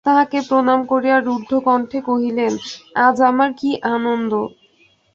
তাঁহাকে প্রণাম করিয়া রুদ্ধকণ্ঠে কহিলেন, আজ আমার কী আনন্দ।